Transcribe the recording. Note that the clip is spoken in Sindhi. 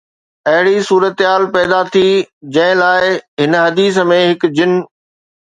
اهڙي صورتحال پيدا ٿي جنهن لاءِ هن حديث ۾ هڪ جن